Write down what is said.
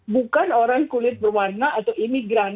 bukan orang kulit berwarna atau imigran